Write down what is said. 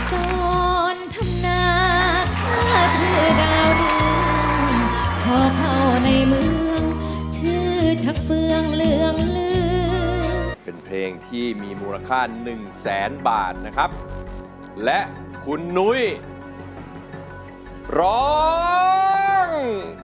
ถ้าเชื่อดาวหนึ่งขอเข้าในเมืองเชื่อชะเฟืองเหลืองลืม